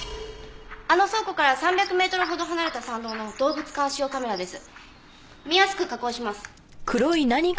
あの倉庫から３００メートルほど離れた山道の動物監視用カメラです。